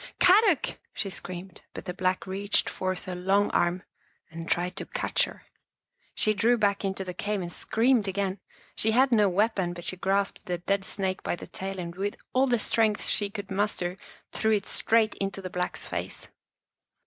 " Kadok!" she screamed, but the Black reached forth a long arm and tried to catch her. She drew back into the cave and screamed again. She had no weapon, but she grasped the dead snake by the tail and with all the strength she could muster threw it straight into the Black's face.